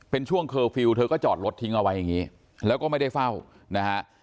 เป็นช่วงเคอร์ฟิลล์เธอก็จอดรถทิ้งเอาไว้อย่างนี้แล้วก็ไม่ได้เฝ้านะฮะ